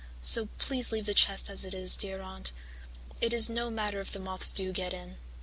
So please leave the chest as it is, dear Aunt. It is no matter if the moths do get in.'